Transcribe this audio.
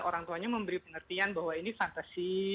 orang tuanya memberi pengertian bahwa ini fantasi